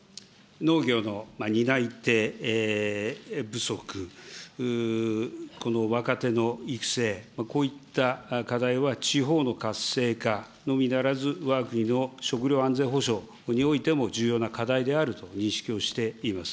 農業の担い手不足、若手の育成、こういった課題は地方の活性化のみならず、わが国の食料安全保障においても、重要な課題であると認識をしています。